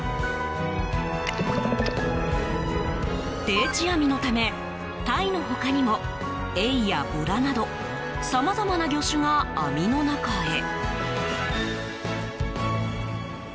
定置網のため、タイの他にもエイやボラなどさまざまな魚種が網の中へ。